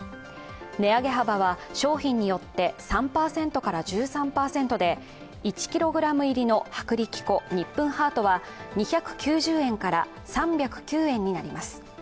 値上げ幅は、商品によって３％から１３％で、１ｋｇ入りの薄力粉ニップンハートは２９０円から３０９円になります。